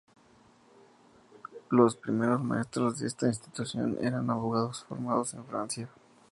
Los primeros maestros de esta institución eran abogados formados en Francia.